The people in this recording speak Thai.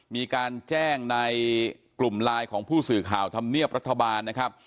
มีการแจ้งในกลุ่มไลน์ของผู้สื่อข่าวธรรมเนียบรัฐบาลนะครับ